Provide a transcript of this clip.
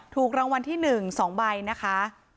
ถูกรางวัลที่๑๒ใบนะคะ๘๑๒๕๖๔